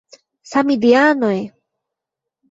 Samideanoj!